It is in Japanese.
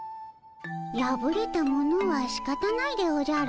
やぶれたものはしかたないでおじゃる。